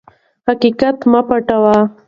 حقیقت مه پټوئ.